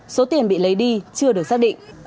số tiền bị lấy đi chưa được xác định